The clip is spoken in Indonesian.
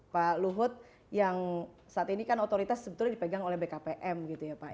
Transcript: pak luhut yang saat ini kan otoritas sebetulnya dipegang oleh bkpm gitu ya pak